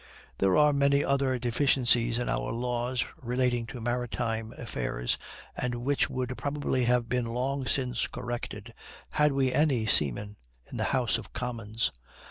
There are many other deficiencies in our laws relating to maritime affairs, and which would probably have been long since corrected, had we any seamen in the House of Commons.